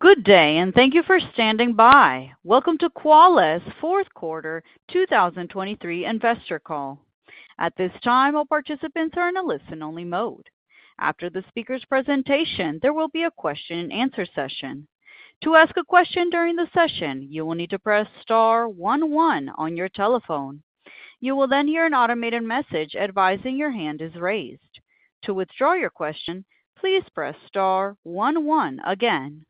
Good day, and thank you for standing by. Welcome to Qualys' fourth quarter 2023 investor call. At this time, all participants are in a listen-only mode. After the speaker's presentation, there will be a question and answer session. To ask a question during the session, you will need to press star one one on your telephone. You will then hear an automated message advising your hand is raised. To withdraw your question, please press star one one again.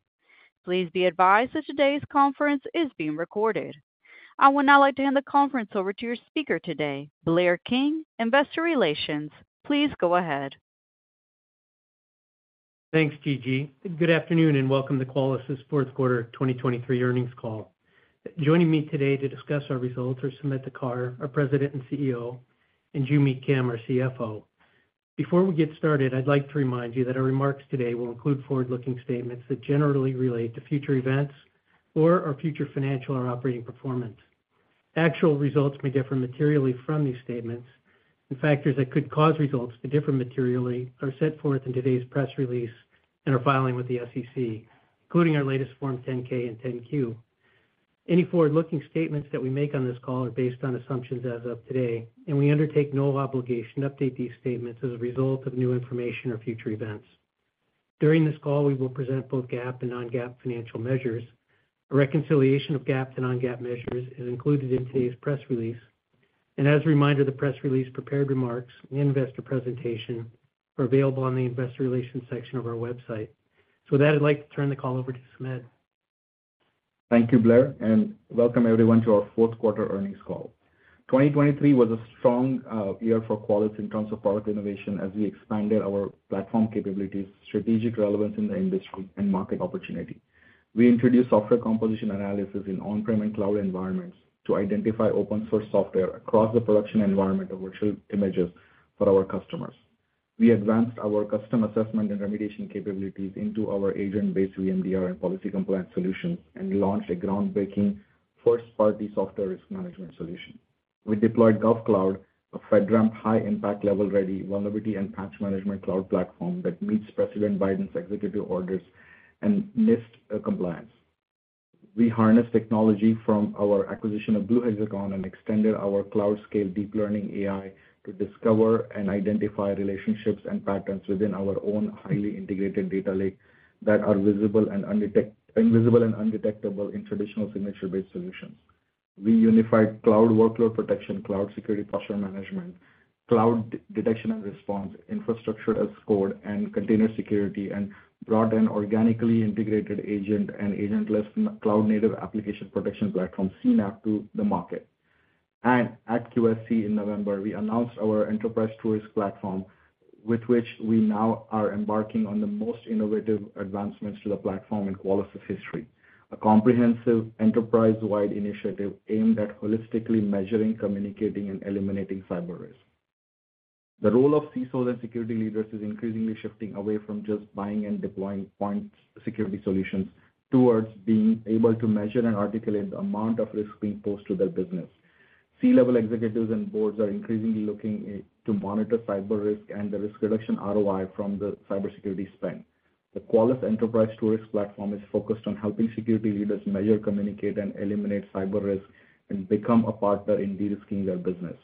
Please be advised that today's conference is being recorded. I would now like to hand the conference over to your speaker today, Blair King, Investor Relations. Please go ahead. Thanks, Gigi. Good afternoon, and welcome to Qualys' fourth quarter 2023 earnings call. Joining me today to discuss our results are Sumedh Thakar, our President and CEO, and Joo Mi Kim, our CFO. Before we get started, I'd like to remind you that our remarks today will include forward-looking statements that generally relate to future events or our future financial or operating performance. Actual results may differ materially from these statements, and factors that could cause results to differ materially are set forth in today's press release and our filing with the SEC, including our latest Form 10-K and 10-Q. Any forward-looking statements that we make on this call are based on assumptions as of today, and we undertake no obligation to update these statements as a result of new information or future events. During this call, we will present both GAAP and non-GAAP financial measures. A reconciliation of GAAP to non-GAAP measures is included in today's press release, and as a reminder, the press release prepared remarks and investor presentation are available on the investor relations section of our website. So with that, I'd like to turn the call over to Sumedh. Thank you, Blair, and welcome everyone to our fourth quarter earnings call. 2023 was a strong year for Qualys in terms of product innovation as we expanded our platform capabilities, strategic relevance in the industry, and market opportunity. We introduced software composition analysis in on-prem and cloud environments to identify open source software across the production environment of virtual images for our customers. We advanced our custom assessment and remediation capabilities into our agent-based VMDR and policy compliance solution, and we launched a groundbreaking first-party software risk management solution. We deployed GovCloud, a FedRAMP high impact level-ready vulnerability and patch management cloud platform that meets President Biden's executive orders and NIST compliance. We harnessed technology from our acquisition of Blue Hexagon and extended our cloud-scale deep learning AI to discover and identify relationships and patterns within our own highly integrated data lake that are visible and undetec... invisible and undetectable in traditional signature-based solutions. We unified cloud workload protection, Cloud Security Posture Management, cloud detection and response, infrastructure as code, and container security, and brought an organically integrated agent and agentless cloud native application protection platform, CNAPP, to the market. And at QSC in November, we announced our Enterprise TruRisk Platform, with which we now are embarking on the most innovative advancements to the platform in Qualys' history, a comprehensive enterprise-wide initiative aimed at holistically measuring, communicating, and eliminating cyber risk. The role of CISOs and security leaders is increasingly shifting away from just buying and deploying point security solutions towards being able to measure and articulate the amount of risk being posed to their business. C-level executives and boards are increasingly looking to monitor cyber risk and the risk reduction ROI from the cybersecurity spend. The Qualys Enterprise TruRisk Platform is focused on helping security leaders measure, communicate, and eliminate cyber risk and become a partner in de-risking their business.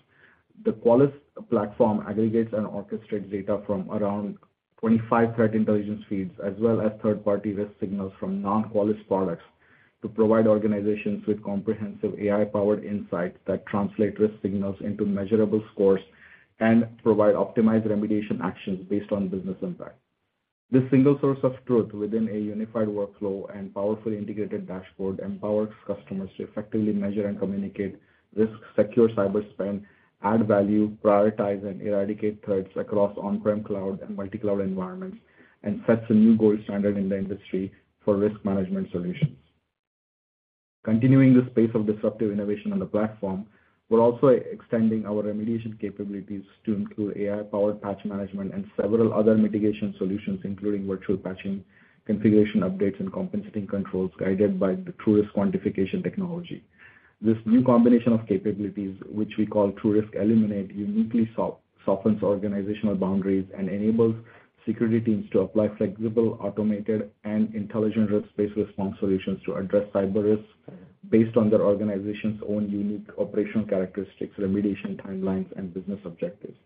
The Qualys Platform aggregates and orchestrates data from around 25 threat intelligence feeds, as well as third-party risk signals from non-Qualys products, to provide organizations with comprehensive AI-powered insights that translate risk signals into measurable scores and provide optimized remediation actions based on business impact. This single source of truth within a unified workflow and powerfully integrated dashboard empowers customers to effectively measure and communicate risk, secure cyber spend, add value, prioritize, and eradicate threats across on-prem cloud and multi-cloud environments, and sets a new gold standard in the industry for risk management solutions. Continuing the pace of disruptive innovation on the platform, we're also extending our remediation capabilities to include AI-powered patch management and several other mitigation solutions, including virtual patching, configuration updates, and compensating controls, guided by the TruRisk quantification technology. This new combination of capabilities, which we call TruRisk Eliminate, uniquely softens organizational boundaries and enables security teams to apply flexible, automated, and intelligent risk-based response solutions to address cyber risk based on their organization's own unique operational characteristics, remediation timelines, and business objectives.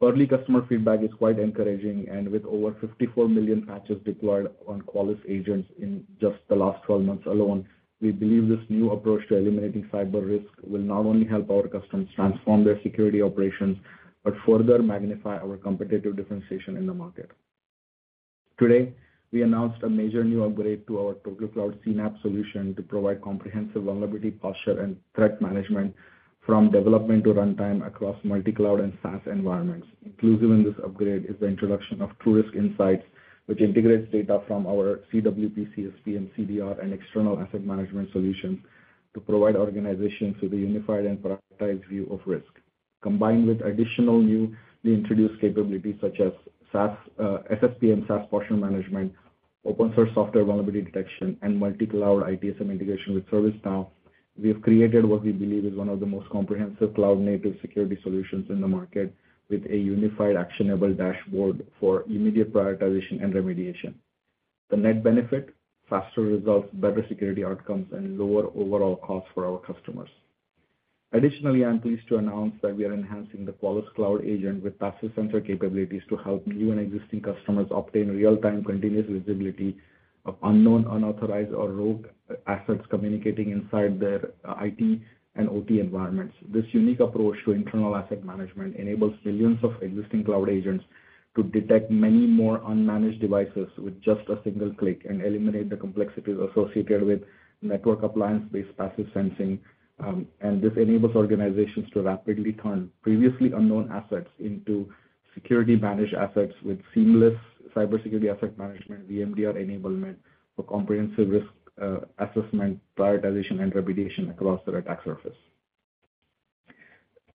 Early customer feedback is quite encouraging, and with over 54 million patches deployed on Qualys agents in just the last 12 months alone, we believe this new approach to eliminating cyber risk will not only help our customers transform their security operations, but further magnify our competitive differentiation in the market. Today, we announced a major new upgrade to our TotalCloud CNAPP solution to provide comprehensive vulnerability, posture, and threat management from development to runtime across multi-cloud and SaaS environments. Inclusive in this upgrade is the introduction of TruRisk Insights, which integrates data from our CWP, CSP, and CDR, and external asset management solutions to provide organizations with a unified and prioritized view of risk. Combined with additional new introduced capabilities such as SaaS SSPM and SaaS posture management, open source software vulnerability detection, and multi-cloud ITSM integration with ServiceNow.... We have created what we believe is one of the most comprehensive cloud-native security solutions in the market, with a unified, actionable dashboard for immediate prioritization and remediation. The net benefit? Faster results, better security outcomes, and lower overall costs for our customers. Additionally, I'm pleased to announce that we are enhancing the Qualys Cloud Agent with passive sensor capabilities to help new and existing customers obtain real-time, continuous visibility of unknown, unauthorized, or rogue assets communicating inside their IT and OT environments. This unique approach to internal asset management enables millions of existing cloud agents to detect many more unmanaged devices with just a single click, and eliminate the complexities associated with network appliance-based passive sensing. This enables organizations to rapidly turn previously unknown assets into security managed assets with seamless CyberSecurity Asset Management, VMDR enablement for comprehensive risk assessment, prioritization, and remediation across their attack surface.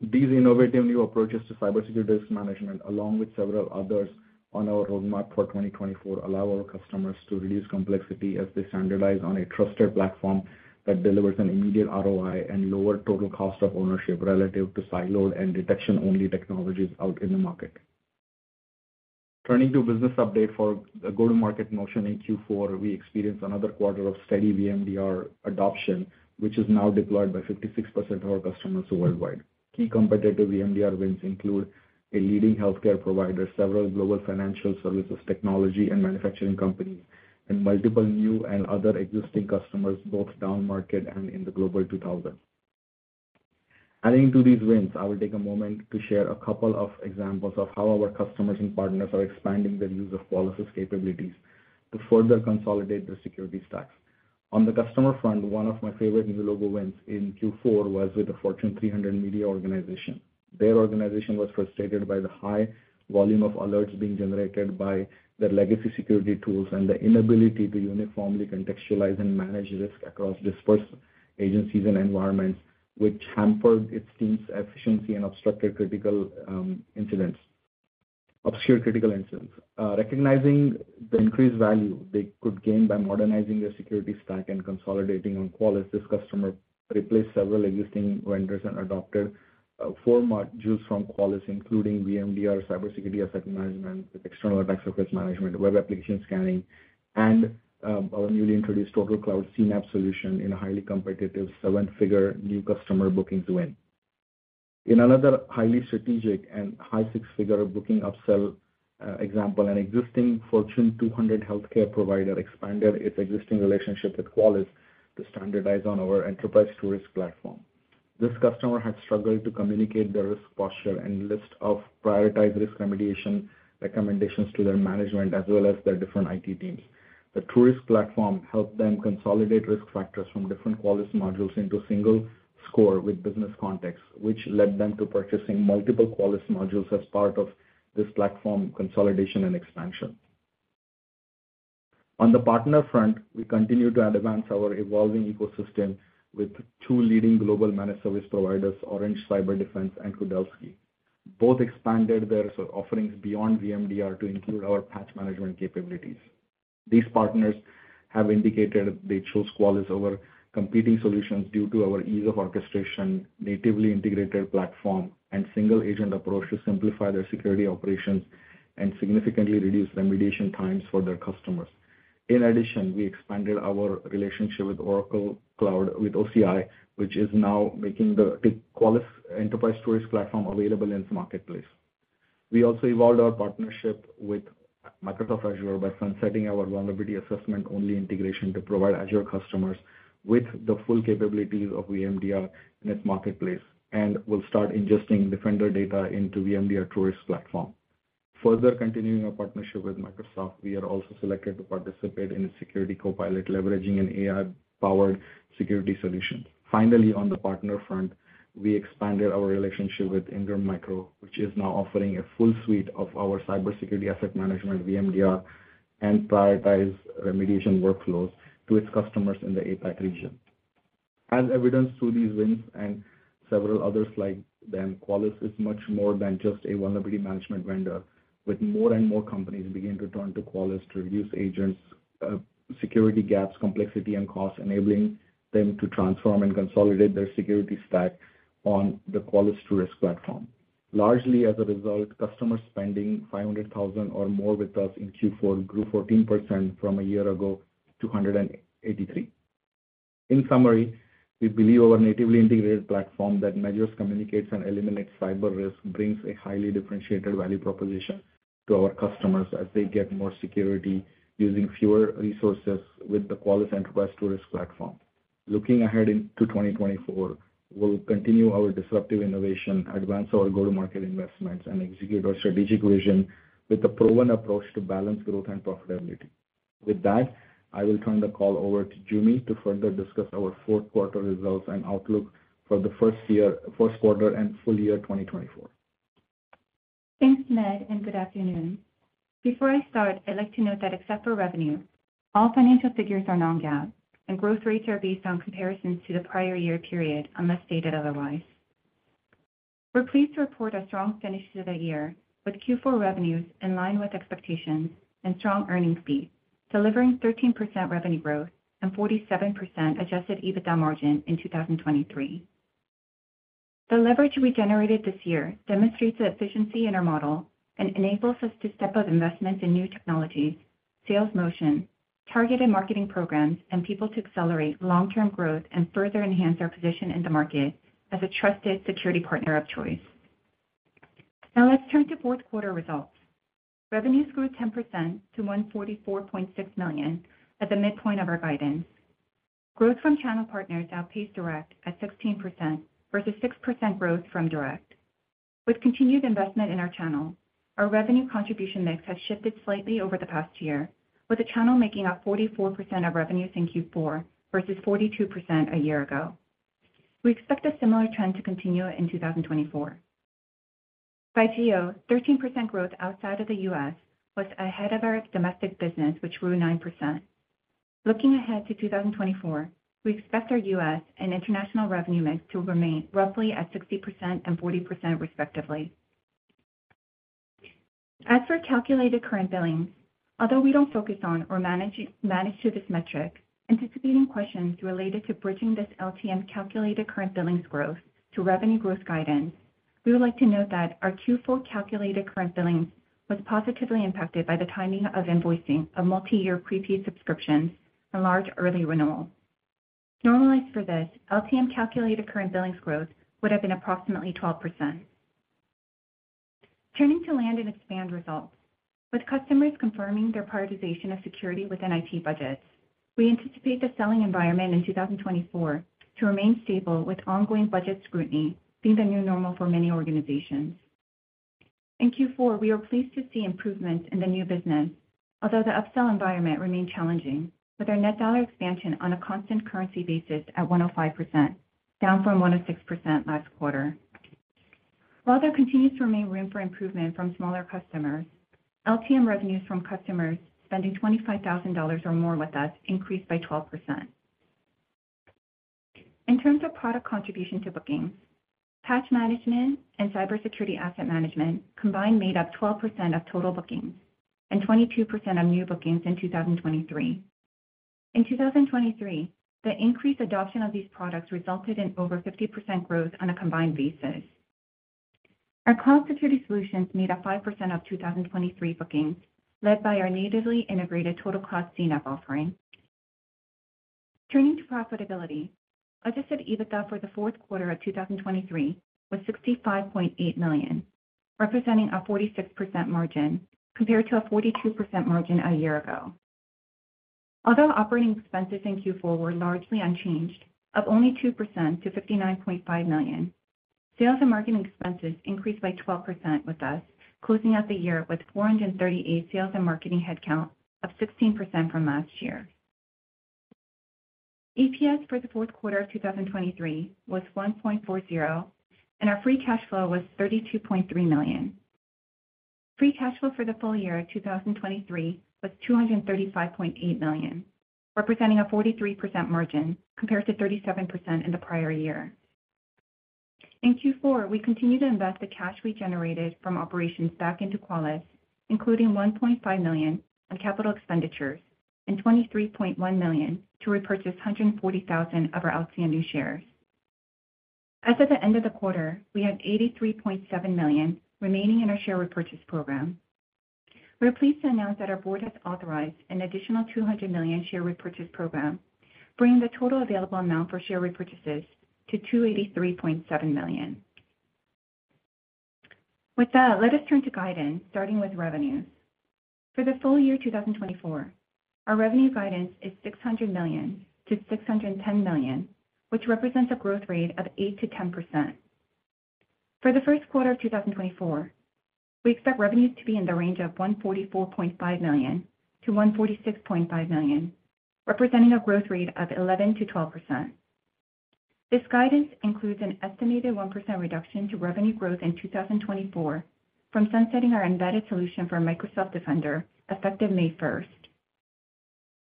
These innovative new approaches to cybersecurity risk management, along with several others on our roadmap for 2024, allow our customers to reduce complexity as they standardize on a trusted platform that delivers an immediate ROI and lower total cost of ownership relative to siloed and detection-only technologies out in the market. Turning to business update for the go-to-market motion in Q4, we experienced another quarter of steady VMDR adoption, which is now deployed by 56% of our customers worldwide. Key competitive VMDR wins include a leading healthcare provider, several global financial services, technology and manufacturing companies, and multiple new and other existing customers, both downmarket and in the Global 2000. Adding to these wins, I will take a moment to share a couple of examples of how our customers and partners are expanding their use of Qualys' capabilities to further consolidate their security stacks. On the customer front, one of my favorite new logo wins in Q4 was with a Fortune 300 media organization. Their organization was frustrated by the high volume of alerts being generated by their legacy security tools, and the inability to uniformly contextualize and manage risk across dispersed agencies and environments, which hampered its team's efficiency and obstructed critical incidents, obscured critical incidents. Recognizing the increased value they could gain by modernizing their security stack and consolidating on Qualys, this customer replaced several existing vendors and adopted four modules from Qualys, including VMDR, cybersecurity asset management with External Attack Surface Management, Web Application Scanning, and our newly introduced TotalCloud CNAPP solution in a highly competitive seven-figure new customer bookings win. In another highly strategic and high six-figure booking upsell, example, an existing Fortune 200 healthcare provider expanded its existing relationship with Qualys to standardize on our Enterprise TruRisk Platform. This customer had struggled to communicate their risk posture and list of prioritized risk remediation recommendations to their management, as well as their different IT teams. The TruRisk Platform helped them consolidate risk factors from different Qualys modules into a single score with business context, which led them to purchasing multiple Qualys modules as part of this platform consolidation and expansion. On the partner front, we continue to advance our evolving ecosystem with two leading global managed service providers, Orange Cyberdefense and Kudelski. Both expanded their offerings beyond VMDR to include our patch management capabilities. These partners have indicated they chose Qualys over competing solutions due to our ease of orchestration, natively integrated platform, and single-agent approach to simplify their security operations and significantly reduce remediation times for their customers. In addition, we expanded our relationship with Oracle Cloud, with OCI, which is now making the Qualys Enterprise TruRisk Platform available in its marketplace. We also evolved our partnership with Microsoft Azure by sunsetting our vulnerability assessment-only integration to provide Azure customers with the full capabilities of VMDR in its marketplace, and will start ingesting Defender data into VMDR TruRisk Platform. Further continuing our partnership with Microsoft, we are also selected to participate in the Security Copilot, leveraging an AI-powered security solution. Finally, on the partner front, we expanded our relationship with Ingram Micro, which is now offering a full suite of our cybersecurity asset management, VMDR, and prioritized remediation workflows to its customers in the APAC region. As evidenced through these wins and several others like them, Qualys is much more than just a vulnerability management vendor. With more and more companies beginning to turn to Qualys to reduce agents, security gaps, complexity, and costs, enabling them to transform and consolidate their security stack on the Qualys TruRisk Platform. Largely as a result, customers spending $500,000 or more with us in Q4 grew 14% from a year ago to 183. In summary, we believe our natively integrated platform that measures, communicates, and eliminates cyber risk brings a highly differentiated value proposition to our customers as they get more security using fewer resources with the Qualys Enterprise TruRisk Platform. Looking ahead into 2024, we'll continue our disruptive innovation, advance our go-to-market investments, and execute our strategic vision with a proven approach to balance growth and profitability. With that, I will turn the call over to Joo Mi to further discuss our fourth quarter results and outlook for the first year-- first quarter and full year 2024. Thanks, Medh, and good afternoon. Before I start, I'd like to note that except for revenue, all financial figures are non-GAAP, and growth rates are based on comparisons to the prior year period, unless stated otherwise. We're pleased to report a strong finish to the year, with Q4 revenues in line with expectations and strong earnings beat, delivering 13% revenue growth and 47% Adjusted EBITDA margin in 2023. The leverage we generated this year demonstrates the efficiency in our model and enables us to step up investments in new technologies, sales motion, targeted marketing programs, and people to accelerate long-term growth and further enhance our position in the market as a trusted security partner of choice. Now let's turn to fourth quarter results. Revenues grew 10% to $144.6 million at the midpoint of our guidance. Growth from channel partners outpaced direct at 16% versus 6% growth from direct. With continued investment in our channel, our revenue contribution mix has shifted slightly over the past year, with the channel making up 44% of revenues in Q4, versus 42% a year ago. We expect a similar trend to continue in 2024. By geo, 13% growth outside of the US was ahead of our domestic business, which grew 9%. Looking ahead to 2024, we expect our US and international revenue mix to remain roughly at 60% and 40% respectively. As for calculated current billings, although we don't focus on or manage to this metric, anticipating questions related to bridging this LTM calculated current billings growth to revenue growth guidance, we would like to note that our Q4 calculated current billings was positively impacted by the timing of invoicing of multi-year prepaid subscriptions and large early renewals. Normalized for this, LTM calculated current billings growth would have been approximately 12%. Turning to land and expand results. With customers confirming their prioritization of security within IT budgets, we anticipate the selling environment in 2024 to remain stable, with ongoing budget scrutiny being the new normal for many organizations. In Q4, we are pleased to see improvement in the new business, although the upsell environment remained challenging, with our net dollar expansion on a constant currency basis at 105%, down from 106% last quarter. While there continues to remain room for improvement from smaller customers, LTM revenues from customers spending $25,000 or more with us increased by 12%. In terms of product contribution to bookings, Patch Management and Cybersecurity Asset Management combined made up 12% of total bookings and 22% of new bookings in 2023. In 2023, the increased adoption of these products resulted in over 50% growth on a combined basis. Our cloud security solutions made up 5% of 2023 bookings, led by our natively integrated TotalCloud CNAPP offering. Turning to profitability. Adjusted EBITDA for the fourth quarter of 2023 was $65.8 million, representing a 46% margin compared to a 42% margin a year ago. Although operating expenses in Q4 were largely unchanged, up only 2% to $59.5 million, sales and marketing expenses increased by 12%, with us closing out the year with 438 sales and marketing headcount, up 16% from last year. EPS for the fourth quarter of 2023 was 1.40, and our free cash flow was $32.3 million. Free cash flow for the full year of 2023 was $235.8 million, representing a 43% margin compared to 37% in the prior year. In Q4, we continued to invest the cash we generated from operations back into Qualys, including $1.5 million on capital expenditures and $23.1 million to repurchase 140,000 of our outstanding shares. As at the end of the quarter, we had $83.7 million remaining in our share repurchase program. We are pleased to announce that our board has authorized an additional $200 million share repurchase program, bringing the total available amount for share repurchases to $283.7 million. With that, let us turn to guidance, starting with revenues. For the full year 2024, our revenue guidance is $600 million-$610 million, which represents a growth rate of 8%-10%. For the first quarter of 2024, we expect revenues to be in the range of $144.5 million-$146.5 million, representing a growth rate of 11%-12%. This guidance includes an estimated 1% reduction to revenue growth in 2024 from sunsetting our embedded solution for Microsoft Defender, effective May first.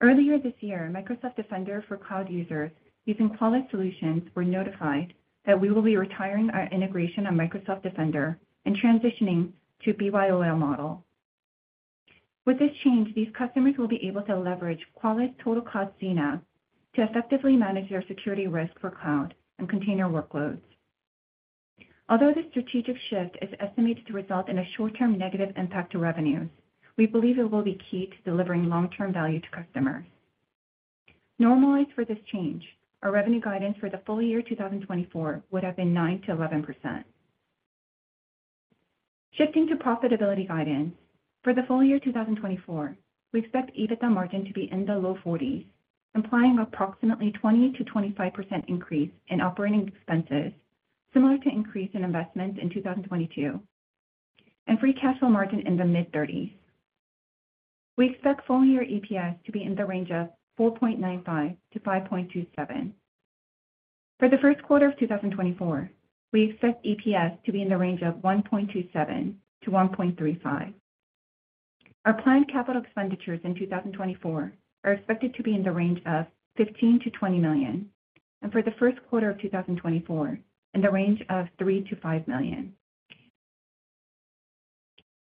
Earlier this year, Microsoft Defender for Cloud users using Qualys solutions were notified that we will be retiring our integration on Microsoft Defender and transitioning to BYOL model. With this change, these customers will be able to leverage Qualys TotalCloud CNAPP to effectively manage their security risk for cloud and container workloads. Although this strategic shift is estimated to result in a short-term negative impact to revenues, we believe it will be key to delivering long-term value to customers. Normalized for this change, our revenue guidance for the full year 2024 would have been 9%-11%. Shifting to profitability guidance. For the full year 2024, we expect EBITDA margin to be in the low 40s, implying approximately 20%-25% increase in operating expenses, similar to increase in investments in 2022, and free cash flow margin in the mid-30s. We expect full year EPS to be in the range of 4.95-5.27. For the first quarter of 2024, we expect EPS to be in the range of 1.27-1.35. Our planned capital expenditures in 2024 are expected to be in the range of $15 million-$20 million, and for the first quarter of 2024, in the range of $3 million-$5 million.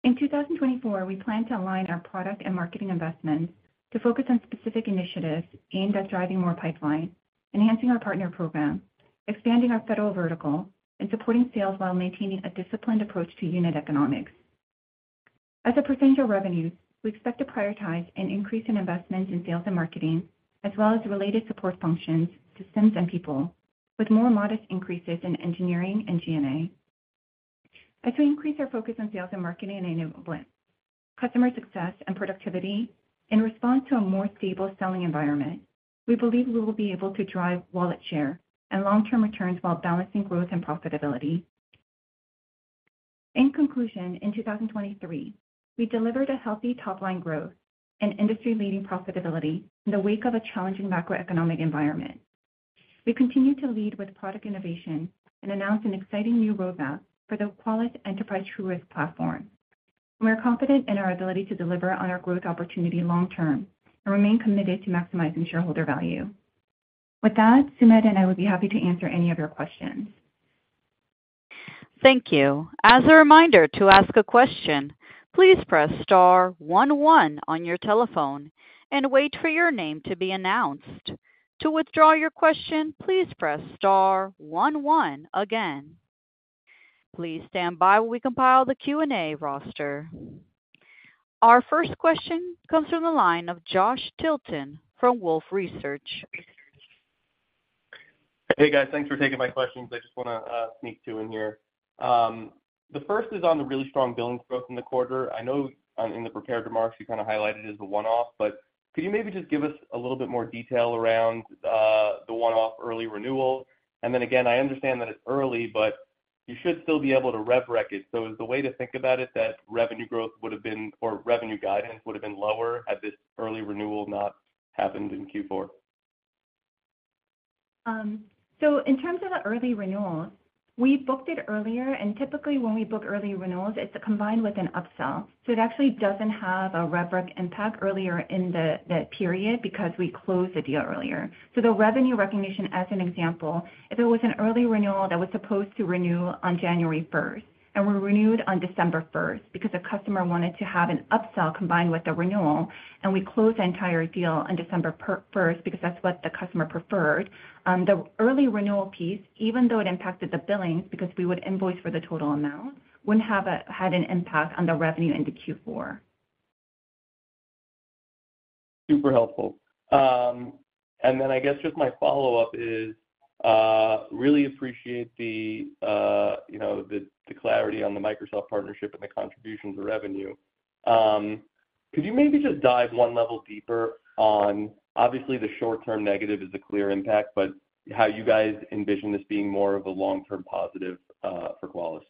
In 2024, we plan to align our product and marketing investments to focus on specific initiatives aimed at driving more pipeline, enhancing our partner program, expanding our federal vertical, and supporting sales while maintaining a disciplined approach to unit economics. As a percentage of revenues, we expect to prioritize an increase in investment in sales and marketing, as well as related support functions, systems, and people, with more modest increases in engineering and G&A. As we increase our focus on sales and marketing and customer success and productivity in response to a more stable selling environment, we believe we will be able to drive wallet share and long-term returns while balancing growth and profitability. In conclusion, in 2023, we delivered a healthy top-line growth and industry-leading profitability in the wake of a challenging macroeconomic environment. We continue to lead with product innovation and announce an exciting new roadmap for the Qualys Enterprise TruRisk Platform. We are confident in our ability to deliver on our growth opportunity long term and remain committed to maximizing shareholder value. With that, Sumedh and I would be happy to answer any of your questions. Thank you. As a reminder to ask a question, please press star one, one on your telephone and wait for your name to be announced. To withdraw your question, please press star one, one again. Please stand by while we compile the Q&A roster. Our first question comes from the line of Josh Tilton from Wolfe Research. Hey, guys. Thanks for taking my questions. I just want to sneak two in here. The first is on the really strong billings growth in the quarter. I know, in the prepared remarks, you kind of highlighted it as a one-off, but could you maybe just give us a little bit more detail around the one-off early renewal? And then again, I understand that it's early, but you should still be able to rev rec it. So is the way to think about it that revenue growth would have been, or revenue guidance would have been lower had this early renewal not happened in Q4? So in terms of the early renewal, we booked it earlier, and typically when we book early renewals, it's combined with an upsell, so it actually doesn't have a rev rec impact earlier in the period because we closed the deal earlier. So the revenue recognition, as an example, if it was an early renewal that was supposed to renew on January first and were renewed on December first because the customer wanted to have an upsell combined with the renewal, and we closed the entire deal on December first, because that's what the customer preferred, the early renewal piece, even though it impacted the billing, because we would invoice for the total amount, wouldn't have had an impact on the revenue into Q4. Super helpful. And then I guess just my follow-up is, really appreciate the, you know, the clarity on the Microsoft partnership and the contribution to revenue. Could you maybe just dive one level deeper on obviously the short-term negative is the clear impact, but how you guys envision this being more of a long-term positive for Qualys?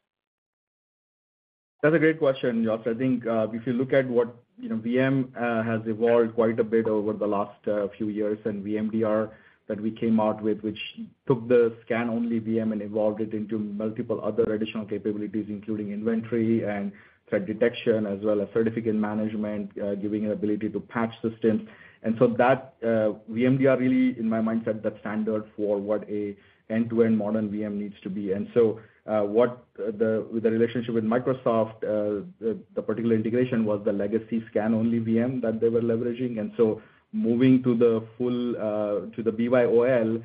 That's a great question, Josh. I think, if you look at what, you know, VM has evolved quite a bit over the last few years, and VMDR that we came out with, which took the scan-only VM and evolved it into multiple other additional capabilities, including inventory and threat detection as well as certificate management, giving an ability to patch systems. And so that VMDR really, in my mindset, that standard for what an end-to-end modern VM needs to be. And so, what the, the relationship with Microsoft, the, the particular integration was the legacy scan-only VM that they were leveraging. And so moving to the full, to the BYOL,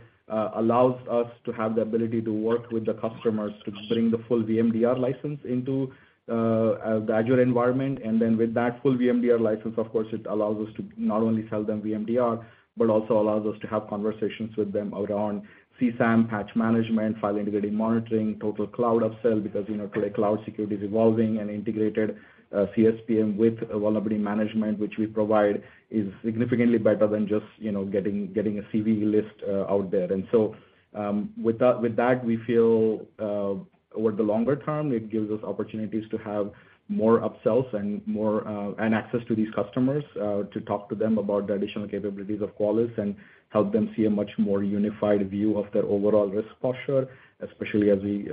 allows us to have the ability to work with the customers to bring the full VMDR license into the Azure environment. And then with that full VMDR license, of course, it allows us to not only sell them VMDR, but also allows us to have conversations with them out on CSAM, Patch Management, File Integrity Monitoring, TotalCloud upsell, because, you know, today, cloud security is evolving and integrated, CSPM with vulnerability management, which we provide, is significantly better than just, you know, getting a CVE list out there. And so, with that, we feel, over the longer term, it gives us opportunities to have more upsells and more and access to these customers, to talk to them about the additional capabilities of Qualys and help them see a much more unified view of their overall risk posture, especially as we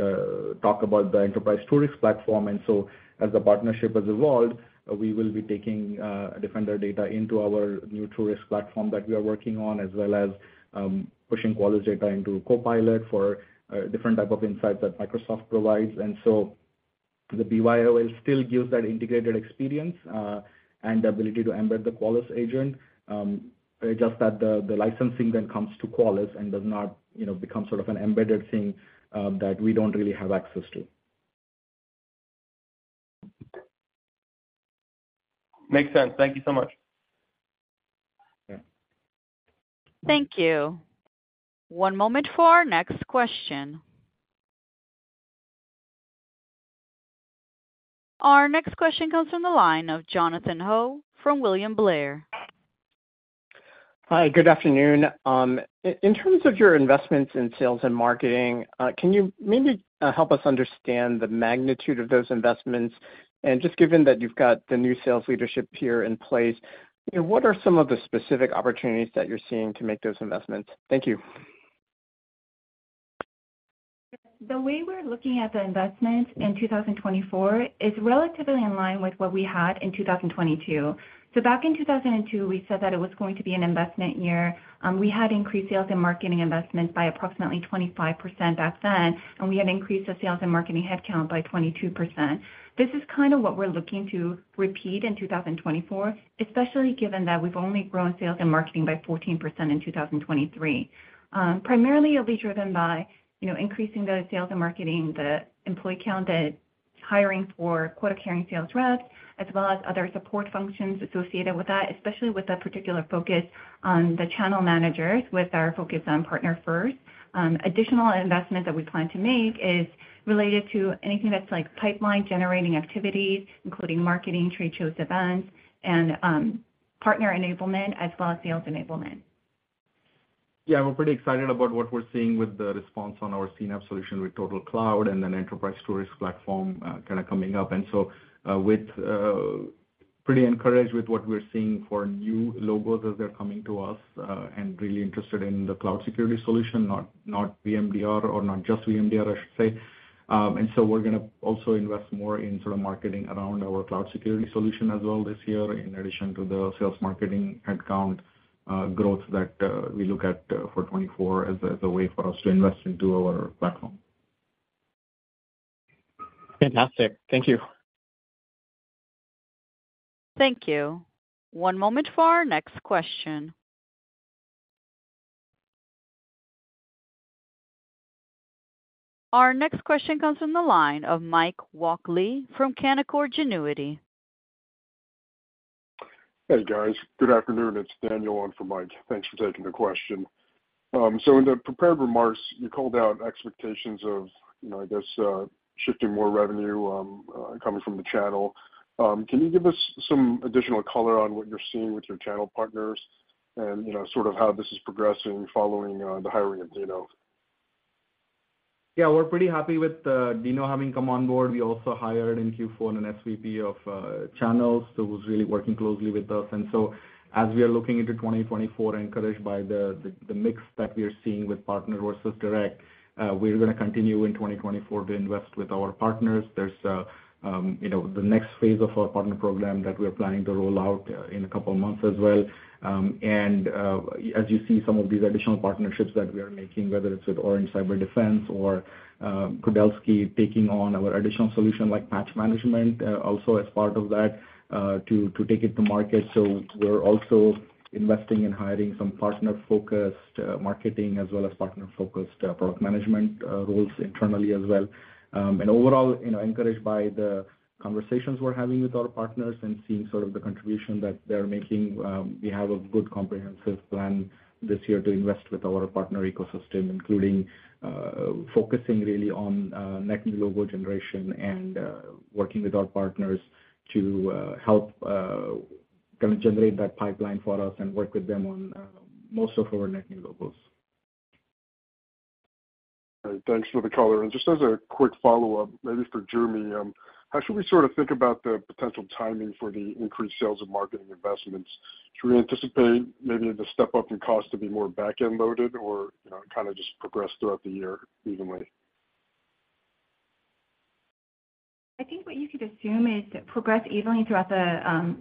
talk about the Enterprise TruRisk Platform. As the partnership has evolved, we will be taking Defender data into our new TruRisk Platform that we are working on, as well as pushing Qualys data into Copilot for different type of insights that Microsoft provides. The BYOL still gives that integrated experience, and the ability to embed the Qualys agent, just that the licensing then comes to Qualys and does not, you know, become sort of an embedded thing that we don't really have access to. Makes sense. Thank you so much. Yeah. Thank you. One moment for our next question. Our next question comes from the line of Jonathan Ho from William Blair. Hi, good afternoon. In terms of your investments in sales and marketing, can you maybe help us understand the magnitude of those investments? Just given that you've got the new sales leadership here in place, you know, what are some of the specific opportunities that you're seeing to make those investments? Thank you. The way we're looking at the investment in 2024 is relatively in line with what we had in 2022. So back in 2002, we said that it was going to be an investment year. We had increased sales and marketing investment by approximately 25% back then, and we had increased the sales and marketing headcount by 22%. This is kind of what we're looking to repeat in 2024, especially given that we've only grown sales and marketing by 14% in 2023. Primarily, it'll be driven by, you know, increasing the sales and marketing, the employee count, the hiring for quota-carrying sales reps, as well as other support functions associated with that, especially with a particular focus on the channel managers, with our focus on partner first. Additional investment that we plan to make is related to anything that's like pipeline-generating activities, including marketing, trade shows, events, and partner enablement as well as sales enablement. Yeah, we're pretty excited about what we're seeing with the response on our CNAPP solution with TotalCloud and then Enterprise TruRisk Platform, kind of coming up. And so, with, pretty encouraged with what we're seeing for new logos as they're coming to us, and really interested in the cloud security solution, not, not VMDR or not just VMDR, I should say. And so we're gonna also invest more in sort of marketing around our cloud security solution as well this year, in addition to the sales marketing headcount, growth that, we look at, for 2024 as a, as a way for us to invest into our platform. Fantastic. Thank you. Thank you. One moment for our next question. Our next question comes from the line of Mike Walkley from Canaccord Genuity. Hey, guys. Good afternoon, it's Daniel on for Mike. Thanks for taking the question. So in the prepared remarks, you called out expectations of, you know, I guess, shifting more revenue coming from the channel. Can you give us some additional color on what you're seeing with your channel partners and, you know, sort of how this is progressing following the hiring of Dino? Yeah, we're pretty happy with Dino having come on board. We also hired in Q4 an SVP of channels, so who's really working closely with us. So as we are looking into 2024, encouraged by the mix that we are seeing with partners versus direct, we're gonna continue in 2024 to invest with our partners. There's a, you know, the next phase of our partner program that we're planning to roll out in a couple of months as well. As you see, some of these additional partnerships that we are making, whether it's with Orange Cyberdefense or Kudelski, taking on our additional solution like patch management, also as part of that, to take it to market. So we're also investing in hiring some partner-focused, marketing as well as partner-focused, product management, roles internally as well. And overall, you know, encouraged by the conversations we're having with our partners and seeing sort of the contribution that they're making, we have a good comprehensive plan this year to invest with our partner ecosystem, including, focusing really on, net new logo generation and, working with our partners to, help, kinda generate that pipeline for us and work with them on, most of our net new logos. All right. Thanks for the color. And just as a quick follow-up, maybe for Joo Mi, how should we sort of think about the potential timing for the increased sales and marketing investments? Should we anticipate maybe the step up in cost to be more back-end loaded or, you know, kind of just progress throughout the year evenly? I think what you could assume is progress evenly throughout the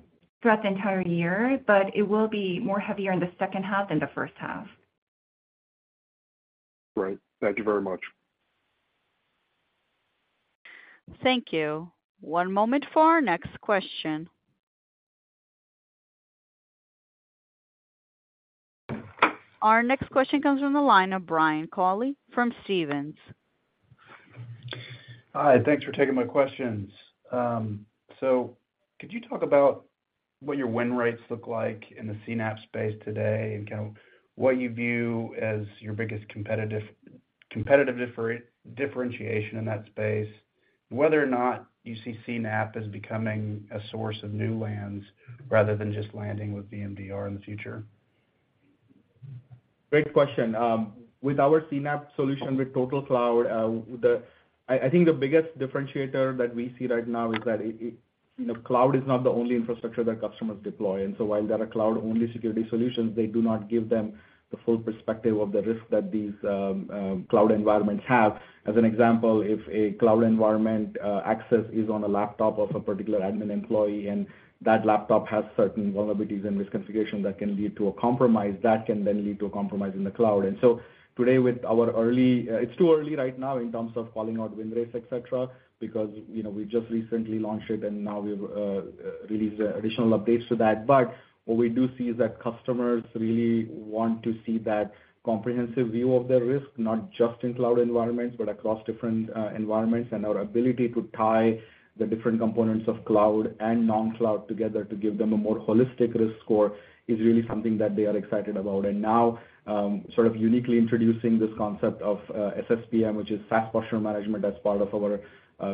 entire year, but it will be more heavier in the second half than the first half. Great. Thank you very much. Thank you. One moment for our next question. Our next question comes from the line of Brian Colley from Stephens. Hi, thanks for taking my questions. So could you talk about what your win rates look like in the CNAPP space today, and kind of what you view as your biggest competitive differentiation in that space? Whether or not you see CNAPP as becoming a source of new lands, rather than just landing with VMDR in the future. Great question. With our CNAPP solution, with TotalCloud, I think the biggest differentiator that we see right now is that it, you know, cloud is not the only infrastructure that customers deploy. And so while there are cloud-only security solutions, they do not give them the full perspective of the risk that these cloud environments have. As an example, if a cloud environment access is on a laptop of a particular admin employee, and that laptop has certain vulnerabilities and misconfiguration that can lead to a compromise, that can then lead to a compromise in the cloud. And so today, it's too early right now in terms of calling out win rates, et cetera, because, you know, we just recently launched it, and now we've released additional updates to that. But what we do see is that customers really want to see that comprehensive view of their risk, not just in cloud environments, but across different environments. And our ability to tie the different components of cloud and non-cloud together to give them a more holistic risk score is really something that they are excited about. And now, sort of uniquely introducing this concept of SSPM, which is SaaS posture management, as part of our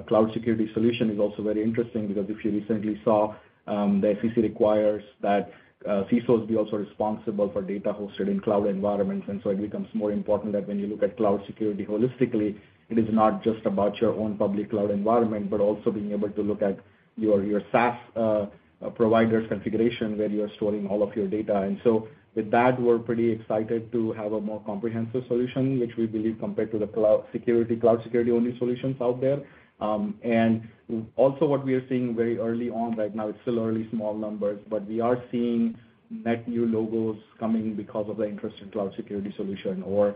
cloud security solution, is also very interesting, because if you recently saw, the FCC requires that CISOs be also responsible for data hosted in cloud environments. And so it becomes more important that when you look at cloud security holistically, it is not just about your own public cloud environment, but also being able to look at your SaaS provider's configuration, where you are storing all of your data. And so with that, we're pretty excited to have a more comprehensive solution, which we believe compared to the cloud security, cloud security-only solutions out there. And also what we are seeing very early on right now, it's still early, small numbers, but we are seeing net new logos coming in because of the interest in cloud security solution or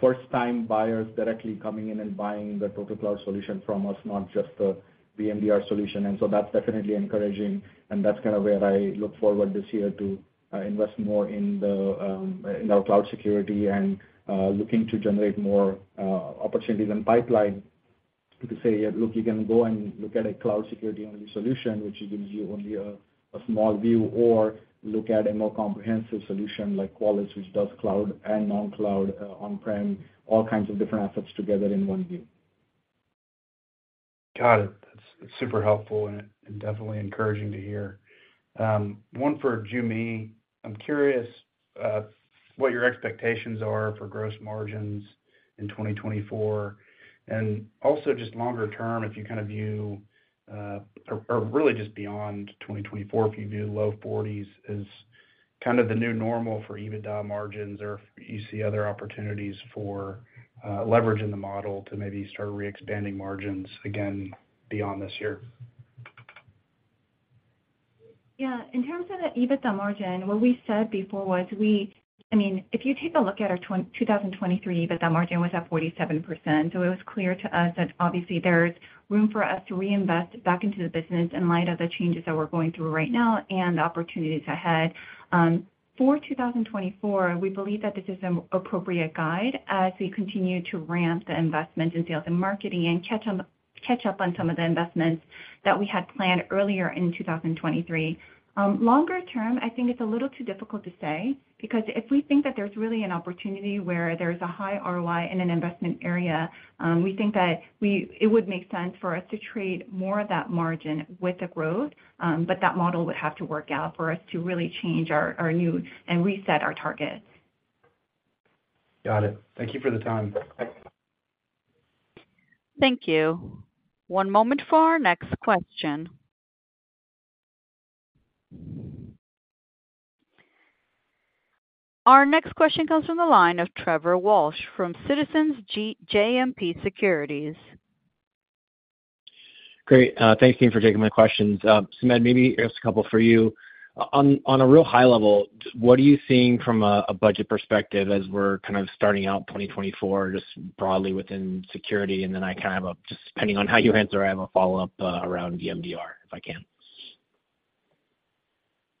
first-time buyers directly coming in and buying the Total Cloud solution from us, not just the VMDR solution. And so that's definitely encouraging, and that's kind of where I look forward this year to invest more in our cloud security and looking to generate more opportunities and pipeline... You could say, look, you can go and look at a cloud security-only solution, which gives you only a small view, or look at a more comprehensive solution like Qualys, which does cloud and non-cloud, on-prem, all kinds of different assets together in one view. Got it. That's super helpful and and definitely encouraging to hear. One for Joo Mi. I'm curious what your expectations are for gross margins in 2024, and also just longer term, if you kind of view or really just beyond 2024, if you view low 40s as kind of the new normal for EBITDA margins, or if you see other opportunities for leverage in the model to maybe start re-expanding margins again beyond this year. Yeah, in terms of the EBITDA margin, what we said before was I mean, if you take a look at our 2023 EBITDA margin was at 47%. So it was clear to us that obviously there's room for us to reinvest back into the business in light of the changes that we're going through right now and the opportunities ahead. For 2024, we believe that this is an appropriate guide as we continue to ramp the investment in sales and marketing and catch up on some of the investments that we had planned earlier in 2023. Longer term, I think it's a little too difficult to say, because if we think that there's really an opportunity where there's a high ROI in an investment area, we think that it would make sense for us to trade more of that margin with the growth, but that model would have to work out for us to really change our, our view and reset our targets. Got it. Thank you for the time. Thank you. One moment for our next question. Our next question comes from the line of Trevor Walsh from Citizens JMP Securities. Great, thank you for taking my questions. Sumedh, maybe just a couple for you. On a real high level, what are you seeing from a budget perspective as we're kind of starting out 2024, just broadly within security? And then I kind of have a... just depending on how you answer, I have a follow-up around VMDR.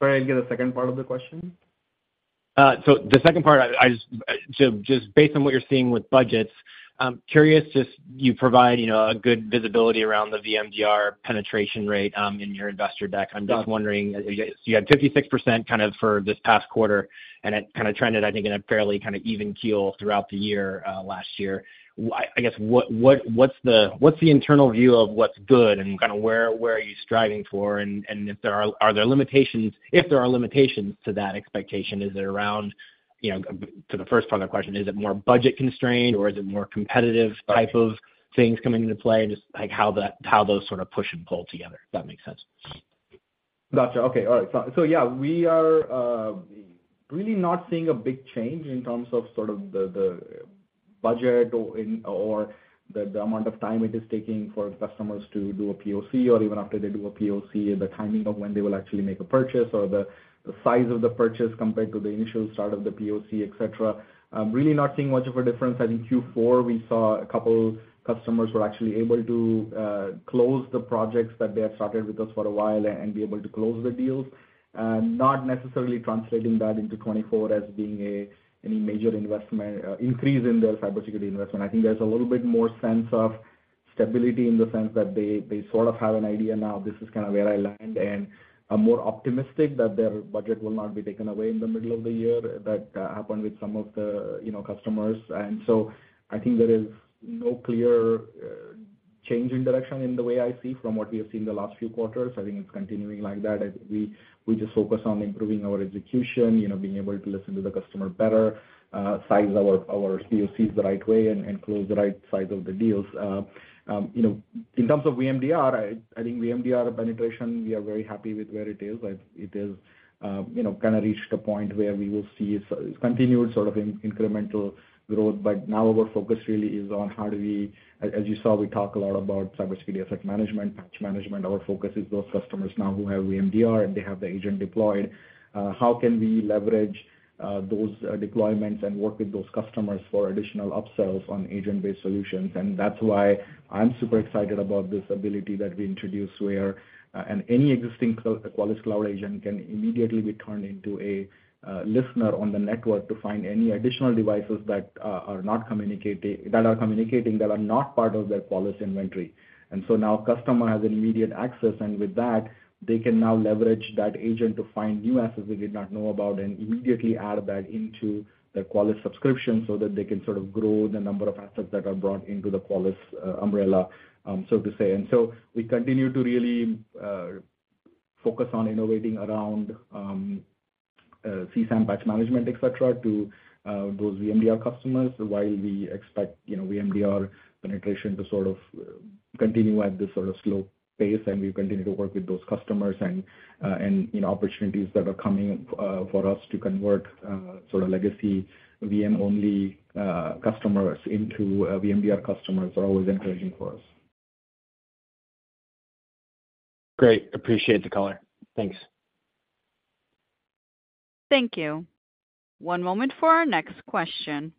Thank you. Sorry, I get the second part of the question. So the second part, so just based on what you're seeing with budgets, I'm curious if you provide, you know, a good visibility around the VMDR penetration rate in your investor deck. I'm just wondering, you had 56% kind of for this past quarter, and it kind of trended, I think, in a fairly kind of even keel throughout the year last year. I guess, what's the internal view of what's good and kind of where, where are you striving for? And if there are limitations to that expectation, is it around, you know, to the first part of the question, is it more budget constrained, or is it more competitive type of things coming into play? Just like, how that, how those sort of push and pull together, if that makes sense. Gotcha. Okay, all right. So, yeah, we are really not seeing a big change in terms of sort of the budget or the amount of time it is taking for customers to do a POC, or even after they do a POC, the timing of when they will actually make a purchase, or the size of the purchase compared to the initial start of the POC, et cetera. I'm really not seeing much of a difference. I think Q4, we saw a couple customers were actually able to close the projects that they have started with us for a while and be able to close the deals. Not necessarily translating that into 2024 as being a any major investment increase in their cybersecurity investment. I think there's a little bit more sense of stability in the sense that they, they sort of have an idea now, this is kind of where I land, and are more optimistic that their budget will not be taken away in the middle of the year. That happened with some of the, you know, customers. And so I think there is no clear change in direction in the way I see from what we have seen the last few quarters. I think it's continuing like that. I think we just focus on improving our execution, you know, being able to listen to the customer better, size our POCs the right way and close the right size of the deals. You know, in terms of VMDR, I think VMDR penetration, we are very happy with where it is. It is, you know, kind of reached a point where we will see continued sort of incremental growth, but now our focus really is on how do we... As you saw, we talk a lot about cybersecurity, asset management, patch management. Our focus is those customers now who have VMDR, and they have the agent deployed. How can we leverage those deployments and work with those customers for additional upsells on agent-based solutions? And that's why I'm super excited about this ability that we introduced, where any existing Qualys Cloud Agent can immediately be turned into a listener on the network to find any additional devices that are not communicating, that are communicating, that are not part of their Qualys inventory. And so now customer has immediate access, and with that, they can now leverage that agent to find new assets they did not know about and immediately add that into their Qualys subscription so that they can sort of grow the number of assets that are brought into the Qualys, umbrella, so to say. And so we continue to really, focus on innovating around, CSAM, Patch Management, et cetera, to, those VMDR customers, while we expect, you know, VMDR penetration to sort of continue at this sort of slow pace. And we continue to work with those customers and, you know, opportunities that are coming, for us to convert, sort of legacy VM-only, customers into, VMDR customers are always encouraging for us. Great. Appreciate the color. Thanks. Thank you. One moment for our next question.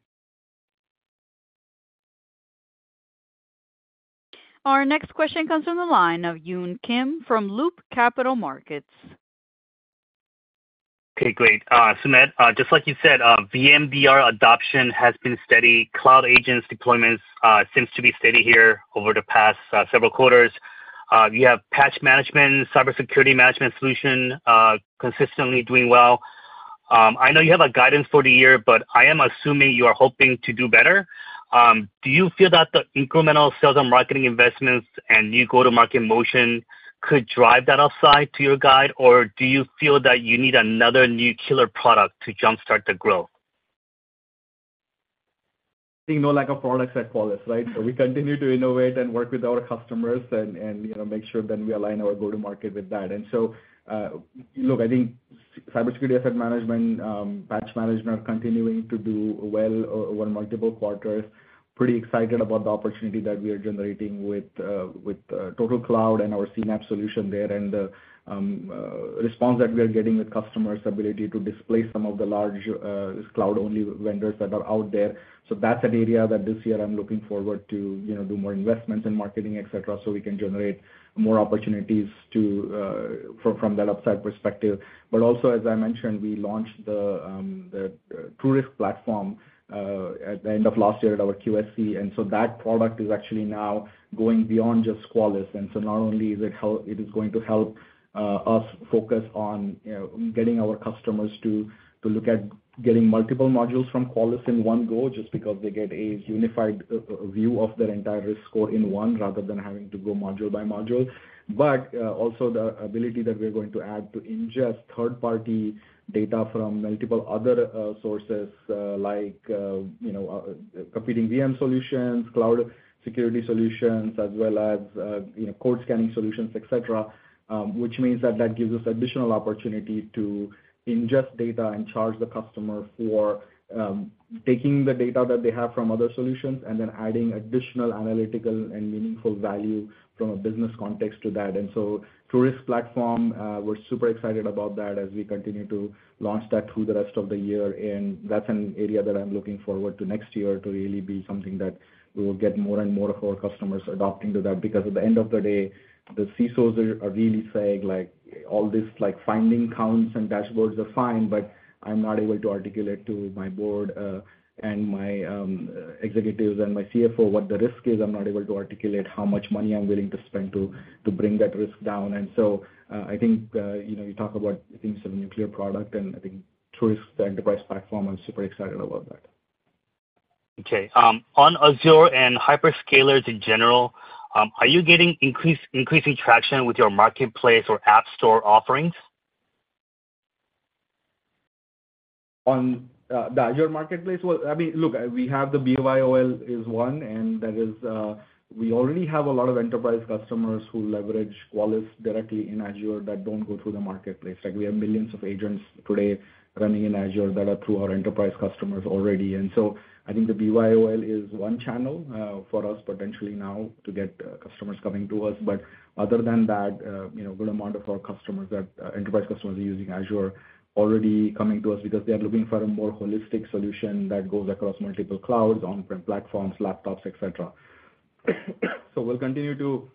Our next question comes from the line of Yun Kim from Loop Capital Markets. Okay, great. Sumedh, just like you said, VMDR adoption has been steady. Cloud agents deployments seems to be steady here over the past several quarters. You have patch management, cybersecurity management solution, consistently doing well. I know you have a guidance for the year, but I am assuming you are hoping to do better. Do you feel that the incremental sales and marketing investments and new go-to-market motion could drive that upside to your guide? Or do you feel that you need another new killer product to jump-start the growth? I think no lack of products at Qualys, right? So we continue to innovate and work with our customers and, you know, make sure that we align our go-to-market with that. And so, look, I think Cybersecurity Asset Management, Patch Management are continuing to do well over multiple quarters. Pretty excited about the opportunity that we are generating with TotalCloud and our CNAPP solution there, and response that we are getting with customers' ability to displace some of the large cloud-only vendors that are out there. So that's an area that this year I'm looking forward to, you know, do more investments in marketing, et cetera, so we can generate more opportunities to from that upside perspective. But also, as I mentioned, we launched the TruRisk Platform at the end of last year at our QSC. And so that product is actually now going beyond just Qualys. And so not only is it going to help us focus on, you know, getting our customers to look at getting multiple modules from Qualys in one go, just because they get a unified view of their entire risk score in one, rather than having to go module by module. But also the ability that we're going to add to ingest third-party data from multiple other sources, like, you know, competing VM solutions, cloud security solutions, as well as, you know, code scanning solutions, et cetera. Which means that that gives us additional opportunity to ingest data and charge the customer for, taking the data that they have from other solutions, and then adding additional analytical and meaningful value from a business context to that. And so TruRisk Platform, we're super excited about that as we continue to launch that through the rest of the year. And that's an area that I'm looking forward to next year to really be something that we will get more and more of our customers adopting to that. Because at the end of the day, the CISOs are really saying, like, all this, like, finding counts and dashboards are fine, but I'm not able to articulate to my board, and my executives and my CFO what the risk is. I'm not able to articulate how much money I'm willing to spend to bring that risk down. So, I think, you know, you talk about, I think, some nuclear product and I think TruRisk, the enterprise platform, I'm super excited about that. Okay. On Azure and hyperscalers in general, are you getting increasing traction with your marketplace or app store offerings? On the Azure marketplace? Well, I mean, look, we have the BYOL is one, and that is... We already have a lot of enterprise customers who leverage Qualys directly in Azure that don't go through the marketplace. Like, we have millions of agents today running in Azure that are through our enterprise customers already. And so I think the BYOL is one channel for us potentially now to get customers coming to us. But other than that, you know, good amount of our customers that enterprise customers are using Azure already coming to us because they are looking for a more holistic solution that goes across multiple clouds, on-prem platforms, laptops, et cetera. So we'll continue to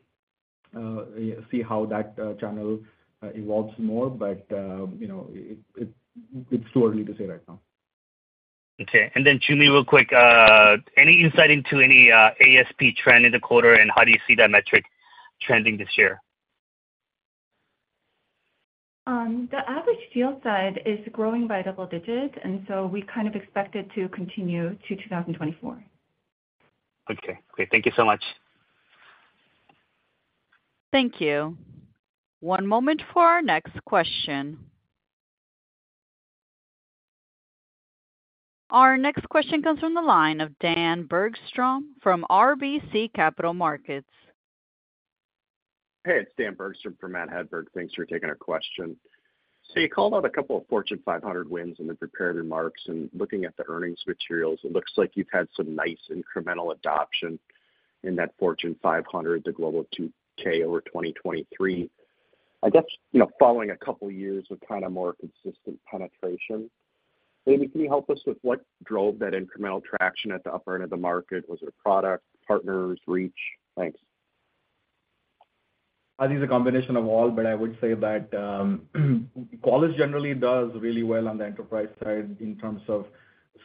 see how that channel evolves more, but you know, it, it, it's too early to say right now. Okay. And then, Joo Mi, real quick, any insight into ASP trend in the quarter, and how do you see that metric trending this year? The average deal size is growing by double digits, and so we kind of expect it to continue to 2024. Okay. Great. Thank you so much. Thank you. One moment for our next question. Our next question comes from the line of Dan Bergstrom from RBC Capital Markets. Hey, it's Dan Bergstrom for Matt Hedberg. Thanks for taking our question. So you called out a couple of Fortune 500 wins in the prepared remarks, and looking at the earnings materials, it looks like you've had some nice incremental adoption in that Fortune 500, the Global 2K over 2023. I guess, you know, following a couple of years of kind of more consistent penetration, maybe can you help us with what drove that incremental traction at the upper end of the market? Was it product, partners, reach? Thanks. I think it's a combination of all, but I would say that, Qualys generally does really well on the enterprise side in terms of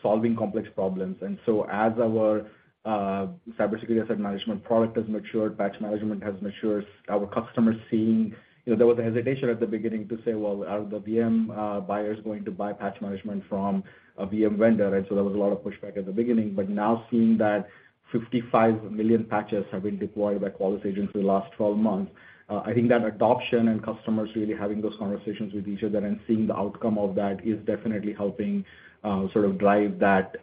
solving complex problems. And so as our, cybersecurity asset management product has matured, patch management has matured, our customers seeing... You know, there was a hesitation at the beginning to say, "Well, are the VM buyers going to buy patch management from a VM vendor?" And so there was a lot of pushback at the beginning. But now seeing that 55 million patches have been deployed by Qualys agents in the last 12 months. I think that adoption and customers really having those conversations with each other and seeing the outcome of that is definitely helping, sort of drive that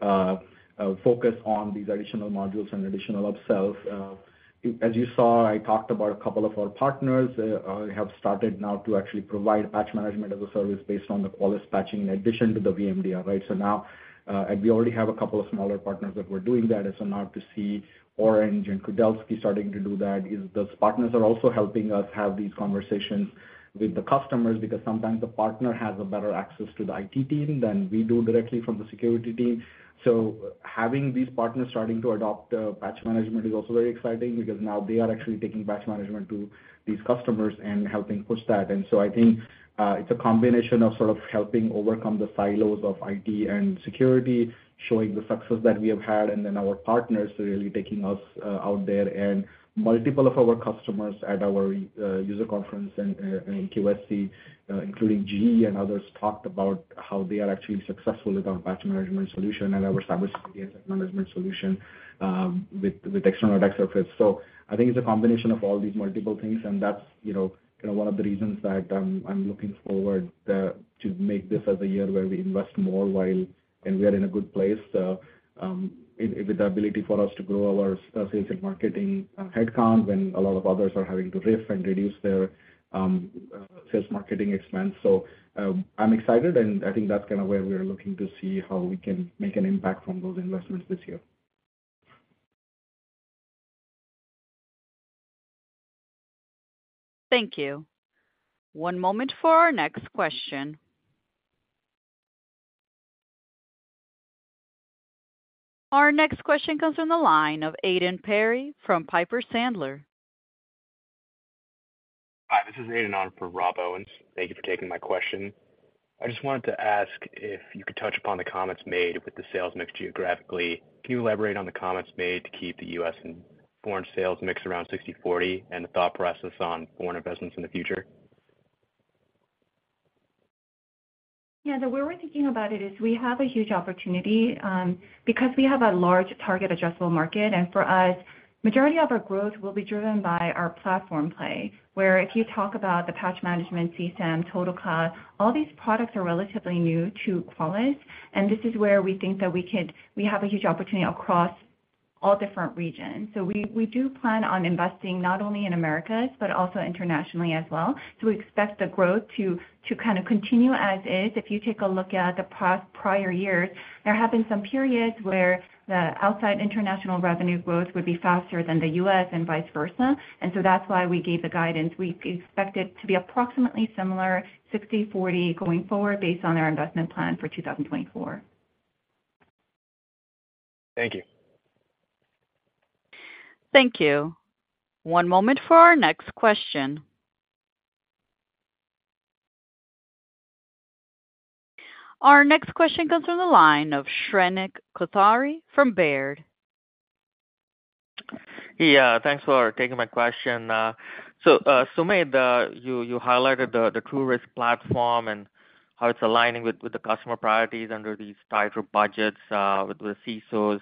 focus on these additional modules and additional upsells. As you saw, I talked about a couple of our partners have started now to actually provide patch management as a service based on the Qualys patching in addition to the VMDR, right? So now, and we already have a couple of smaller partners that were doing that. So now to see Orange and Kudelski starting to do that, is those partners are also helping us have these conversations with the customers, because sometimes the partner has a better access to the IT team than we do directly from the security team. So having these partners starting to adopt patch management is also very exciting because now they are actually taking patch management to these customers and helping push that. And so I think, it's a combination of sort of helping overcome the silos of IT and security, showing the success that we have had, and then our partners really taking us, out there. And multiple of our customers at our, user conference and, in QSC, including GE and others, talked about how they are actually successful with our patch management solution and our cybersecurity asset management solution, with, with external attack surface. I think it's a combination of all these multiple things, and that's, you know, kind of one of the reasons that I'm looking forward to make this as a year where we invest more while and we are in a good place with the ability for us to grow our sales and marketing headcount, when a lot of others are having to RIF and reduce their sales and marketing expense. So, I'm excited, and I think that's kind of where we are looking to see how we can make an impact from those investments this year. Thank you. One moment for our next question. Our next question comes from the line of Aidan Perry from Piper Sandler. Hi, this is Aidan, on for Rob Owens. Thank you for taking my question. I just wanted to ask if you could touch upon the comments made with the sales mix geographically. Can you elaborate on the comments made to keep the US and foreign sales mix around 60/40, and the thought process on foreign investments in the future? Yeah, the way we're thinking about it is we have a huge opportunity because we have a large target addressable market. And for us, majority of our growth will be driven by our platform play, where if you talk about the patch management, CSAM, TotalCloud, all these products are relatively new to Qualys, and this is where we think that we could - we have a huge opportunity across all different regions. So we, we do plan on investing not only in Americas, but also internationally as well. So we expect the growth to, to kind of continue as is. If you take a look at the past prior years, there have been some periods where the outside international revenue growth would be faster than the U.S. and vice versa. And so that's why we gave the guidance. We expect it to be approximately similar, 60/40, going forward based on our investment plan for 2024. Thank you. Thank you. One moment for our next question. Our next question comes from the line of Shrenik Kothari from Baird. Yeah, thanks for taking my question. So, Sumedh, you highlighted the TruRisk Platform and how it's aligning with the customer priorities under these tighter budgets, with the CISOs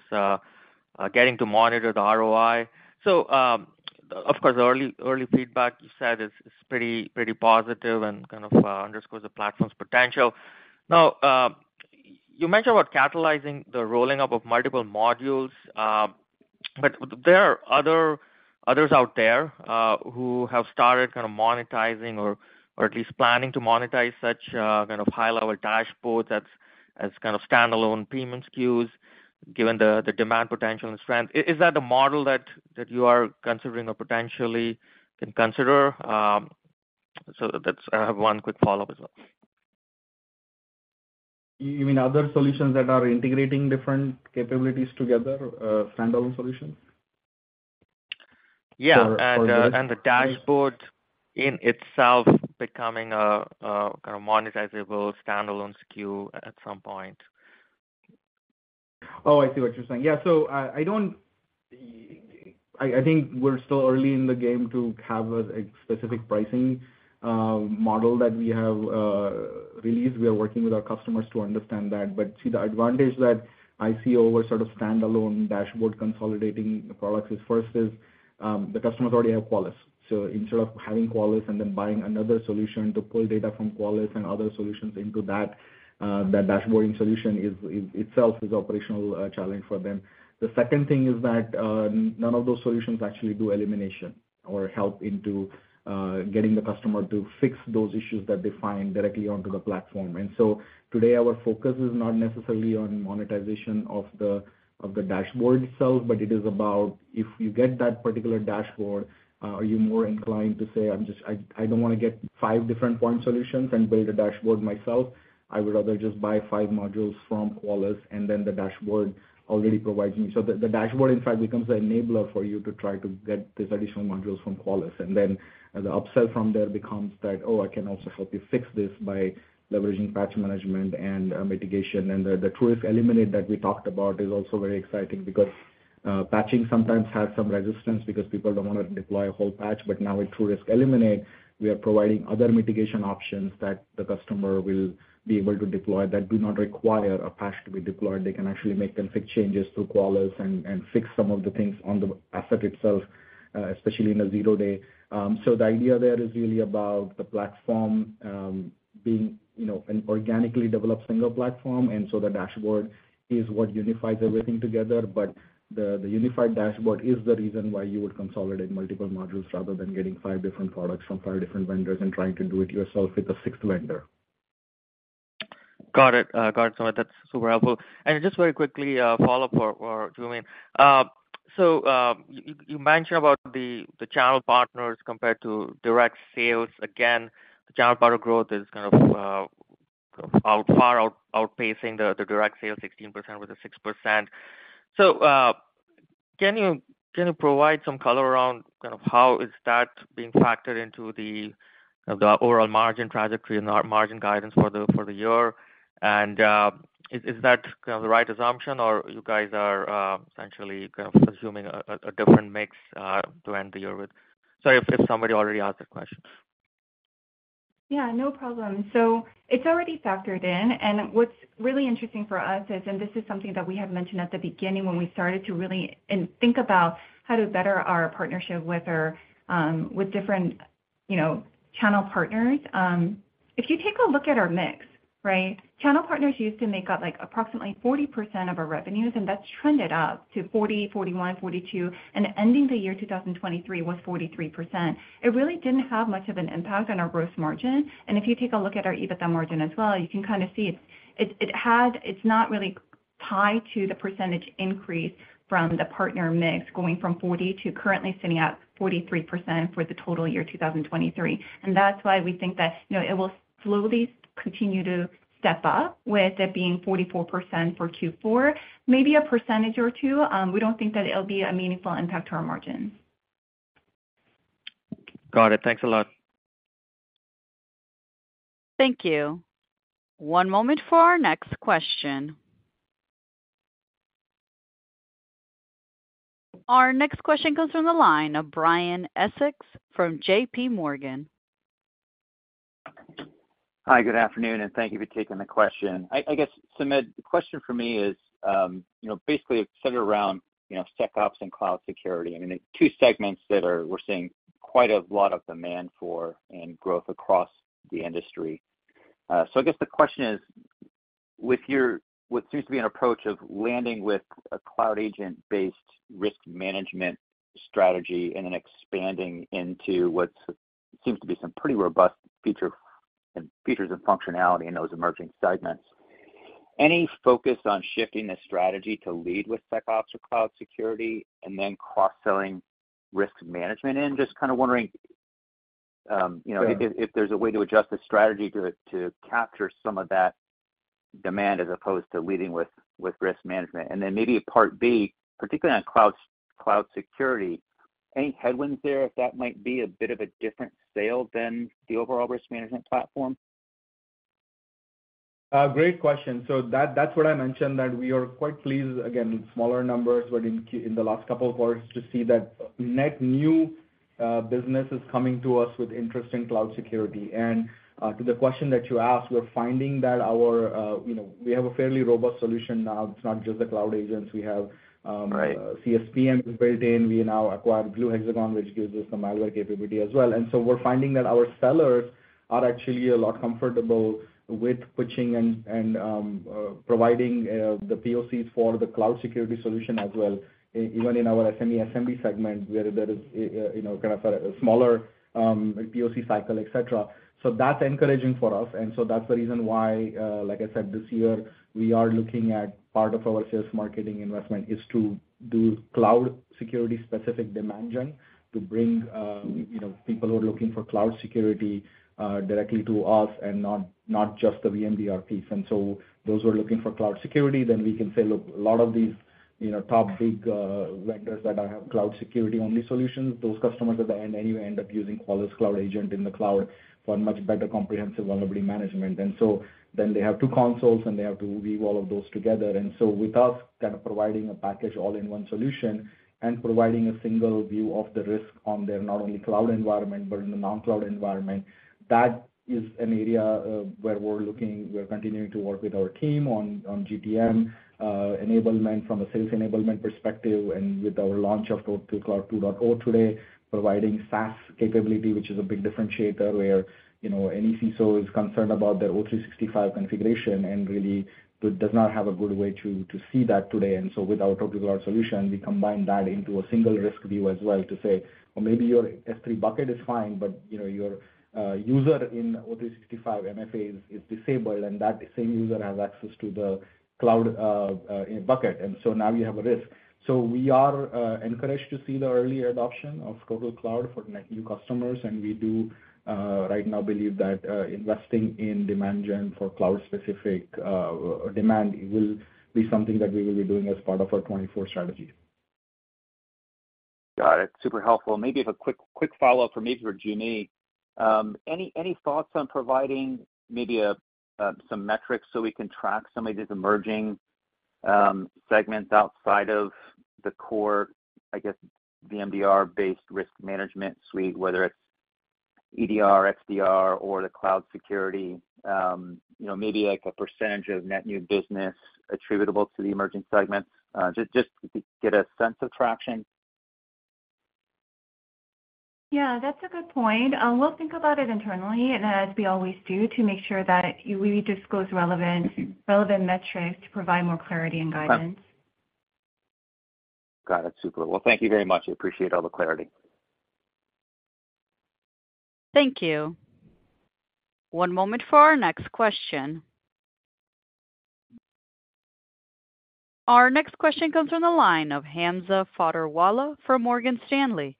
getting to monitor the ROI. So, of course, the early feedback you said is pretty positive and kind of underscores the platform's potential. Now, you mentioned about catalyzing the rolling up of multiple modules, but there are others out there who have started kind of monetizing or at least planning to monetize such kind of high-level dashboards that's as kind of standalone payment SKUs, given the demand potential and strength. Is that a model that you are considering or potentially can consider? So that's... I have one quick follow-up as well. You mean other solutions that are integrating different capabilities together, standalone solutions? Yeah, and the dashboard in itself becoming a kind of monetizable standalone SKU at some point. Oh, I see what you're saying. Yeah, so, I don't think we're still early in the game to have a specific pricing model that we have released. We are working with our customers to understand that. But see, the advantage that I see over sort of standalone dashboard consolidating products is, first is, the customers already have Qualys. So instead of having Qualys and then buying another solution to pull data from Qualys and other solutions into that dashboarding solution is itself operational challenge for them. The second thing is that, none of those solutions actually do elimination or help into getting the customer to fix those issues that they find directly onto the platform. Today, our focus is not necessarily on monetization of the dashboard itself, but it is about if you get that particular dashboard, are you more inclined to say, "I'm just, I don't wanna get five different point solutions and build a dashboard myself. I would rather just buy five modules from Qualys, and then the dashboard already provides me..." So the dashboard, in fact, becomes the enabler for you to try to get these additional modules from Qualys. And then the upsell from there becomes that, "Oh, I can also help you fix this by leveraging Patch Management and mitigation." And the TruRisk Eliminate that we talked about is also very exciting because... Patching sometimes has some resistance because people don't want to deploy a whole patch, but now with TruRisk Eliminate, we are providing other mitigation options that the customer will be able to deploy that do not require a patch to be deployed. They can actually make them fix changes through Qualys and fix some of the things on the asset itself, especially in a Zero Day. So the idea there is really about the platform, being, you know, an organically developed single platform, and so the dashboard is what unifies everything together. But the unified dashboard is the reason why you would consolidate multiple modules rather than getting five different products from five different vendors and trying to do it yourself with a sixth vendor. Got it. Got it, Sumedh. That's super helpful. And just very quickly, follow-up for Joo Mi. So, you mentioned about the channel partners compared to direct sales. Again, the channel partner growth is kind of outpacing the direct sales, 16% with the 6%. So, can you provide some color around kind of how is that being factored into the overall margin trajectory and our margin guidance for the year? And, is that kind of the right assumption, or you guys are essentially kind of assuming a different mix to end the year with? Sorry if somebody already asked that question. Yeah, no problem. So it's already factored in, and what's really interesting for us is, and this is something that we had mentioned at the beginning when we started to really and think about how to better our partnership with our with different, you know, channel partners. If you take a look at our mix, right? Channel partners used to make up, like, approximately 40% of our revenues, and that's trended up to 40, 41, 42, and ending the year 2023 was 43%. It really didn't have much of an impact on our gross margin. And if you take a look at our EBITDA margin as well, you can kind of see it. It has. It's not really tied to the percentage increase from the partner mix going from 40 to currently sitting at 43% for the total year 2023.That's why we think that, you know, it will slowly continue to step up, with it being 44% for Q4, maybe a percentage or two. We don't think that it'll be a meaningful impact to our margins. Got it. Thanks a lot. Thank you. One moment for our next question. Our next question comes from the line of Brian Essex from JPMorgan. Hi, good afternoon, and thank you for taking the question. I guess, Sumedh, the question for me is, you know, basically centered around, you know, SecOps and cloud security. I mean, the two segments that are -- we're seeing quite a lot of demand for and growth across the industry. So I guess the question is, with your -- what seems to be an approach of landing with a cloud agent-based risk management strategy and then expanding into what seems to be some pretty robust features and functionality in those emerging segments, any focus on shifting the strategy to lead with SecOps or cloud security and then cross-selling risk management? And just kind of wondering, you know, if there's a way to adjust the strategy to capture some of that demand as opposed to leading with risk management. And then maybe a part B, particularly on cloud security, any headwinds there, if that might be a bit of a different sale than the overall risk management platform? Great question. So that, that's what I mentioned, that we are quite pleased, again, with smaller numbers, but in the last couple of quarters, to see that net new business is coming to us with interest in cloud security. And, to the question that you asked, we're finding that our, you know, we have a fairly robust solution now. It's not just the cloud agents. We have, Right. CSPM built in. We now acquired Blue Hexagon, which gives us some malware capability as well. And so we're finding that our sellers are actually a lot comfortable with pitching and, and, providing, the POCs for the cloud security solution as well, even in our SME/SMB segment, where there is, you know, kind of a smaller, POC cycle, et cetera. So that's encouraging for us. And so that's the reason why, like I said, this year, we are looking at part of our sales marketing investment is to do cloud security-specific demand gen, to bring, you know, people who are looking for cloud security, directly to us and not, not just the VMDR piece. Those who are looking for cloud security, then we can say, look, a lot of these, you know, top big vendors that have cloud security-only solutions, those customers at the end anyway end up using Qualys Cloud Agent in the cloud for a much better comprehensive vulnerability management. Then they have two consoles, and they have to weave all of those together. With us kind of providing a package all-in-one solution and providing a single view of the risk on their not only cloud environment but in the non-cloud environment, that is an area where we're looking. We're continuing to work with our team on GTM enablement from a sales enablement perspective, and with our launch of Total Cloud 2.0 today, providing SaaS capability, which is a big differentiator, where, you know, any CISO is concerned about their O365 configuration and really does not have a good way to see that today. And so with our Total Cloud solution, we combine that into a single risk view as well, to say, "Well, maybe your S3 bucket is fine, but, you know, your, user in O365 MFA is disabled, and that same user has access to the cloud, bucket, and so now you have a risk." So we are encouraged to see the early adoption of Total Cloud for net new customers, and we do right now believe that investing in demand gen for cloud specific demand will be something that we will be doing as part of our 2024 strategy. Got it. Super helpful. Maybe have a quick follow-up for Joo Mi. Any thoughts on providing some metrics so we can track some of these emerging segments outside of the core, I guess, the MDR-based risk management suite, whether it's EDR, XDR, or the cloud security? You know, maybe like a percentage of net new business attributable to the emerging segments, just to get a sense of traction. Yeah, that's a good point. We'll think about it internally, as we always do, to make sure that we disclose relevant, relevant metrics to provide more clarity and guidance. Got it. Super. Well, thank you very much. I appreciate all the clarity. Thank you. One moment for our next question. Our next question comes from the line of Hamza Fodderwala from Morgan Stanley.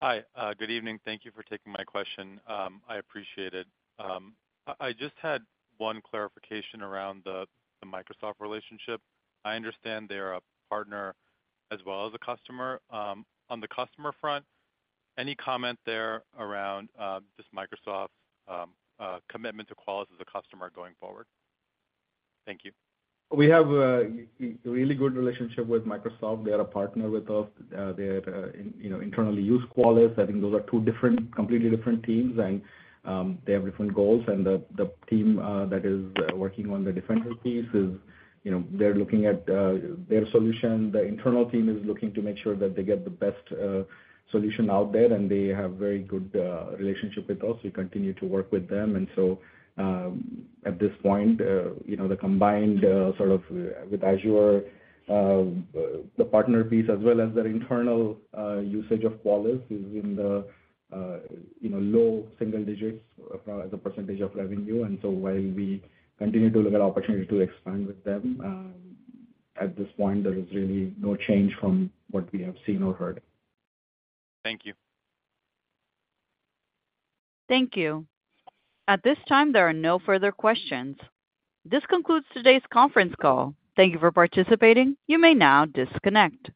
Hi, good evening. Thank you for taking my question. I appreciate it. I just had one clarification around the Microsoft relationship. I understand they're a partner as well as a customer. On the customer front, any comment there around just Microsoft's commitment to Qualys as a customer going forward? Thank you. We have a really good relationship with Microsoft. They are a partner with us. They, you know, internally use Qualys. I think those are two different, completely different teams, and they have different goals. And the team that is working on the defensive piece is, you know, they're looking at their solution. The internal team is looking to make sure that they get the best solution out there, and they have very good relationship with us. We continue to work with them. And so, at this point, you know, the combined sort of with Azure, the partner piece as well as their internal usage of Qualys is in the, you know, low single digits as a percentage of revenue. And so while we continue to look at opportunities to expand with them, at this point, there is really no change from what we have seen or heard. Thank you. Thank you. At this time, there are no further questions. This concludes today's conference call. Thank you for participating. You may now disconnect.